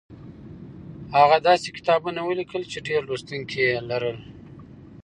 هغه داسې کتابونه ولیکل چې ډېر لوستونکي یې لرل